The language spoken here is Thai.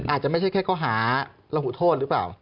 อาจจะไม่สหลห์ละหุโทษหรือเปล่า